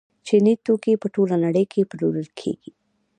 چیني توکي په ټوله نړۍ کې پلورل کیږي.